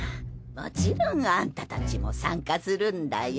もちろんアンタたちも参加するんだよ。